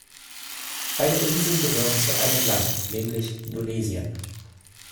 Beide Inseln gehören zu einem Land, nämlich Indonesien.